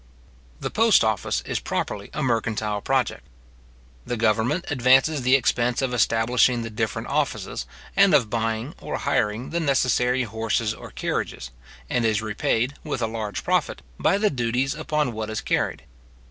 The post office is properly a mercantile project. The government advances the expense of establishing the different offices, and of buying or hiring the necessary horses or carriages, and is repaid, with a large profit, by the duties upon what is carried.